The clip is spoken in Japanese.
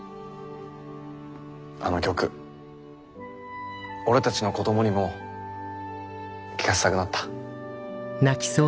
あの曲俺たちの子どもにも聴かせたくなった。